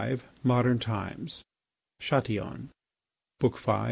MODERN TIMES: CHATILLON I.